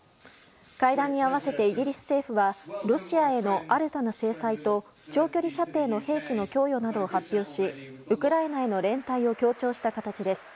会談に合わせてイギリス政府はロシアへの新たな制裁と長距離射程の兵器の供与などを発表しウクライナへの連帯を強調した形です。